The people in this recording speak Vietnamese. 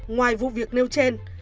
ngoài vụ việc nêu trên